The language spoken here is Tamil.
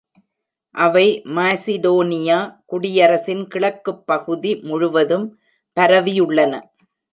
அவை மாசிடோனியா குடியரசின் கிழக்குப் பகுதி முழுவதும் பரவியுள்ளன.